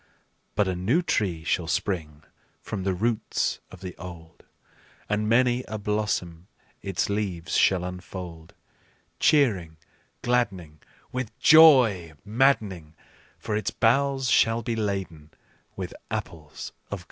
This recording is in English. But a new tree shall spring from the roots of the old, And many a blossom its leaves shall unfold, Cheering, gladdening, With joy maddening, For its boughs shall be laden with apples of gold."